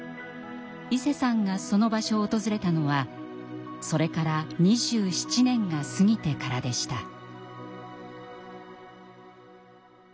いせさんがその場所を訪れたのはそれから２７年が過ぎてからでした。